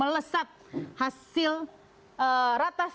dan melesat hasil ratas